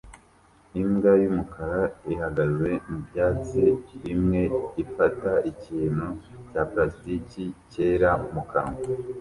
Imbwa y'umukara ihagaze mu byatsi bimwe ifata ikintu cya plastiki cyera mu kanwa